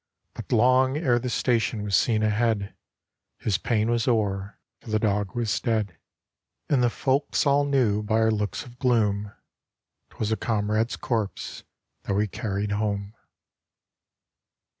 But long ere the station was seen ahead, His pain was o'er, for the dog was dead; And the folks all knew by our looks of gloom 'Twas a comrade's corpse that we carried home.